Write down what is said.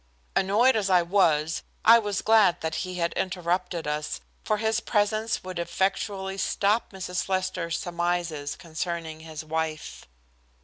Annoyed as I was, I was glad that he had interrupted us, for his presence would effectually stop Mrs. Lester's surmises concerning his wife.